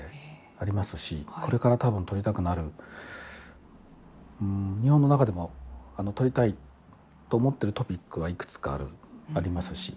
ありますしこれから、たぶん撮りたくなる日本の中でも撮りたいと思っているトピックはいくつかありますし。